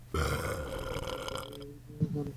তোমার দাবি পূরণ করবই।